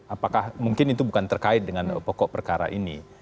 apakah mungkin itu bukan terkait dengan pokok perkara ini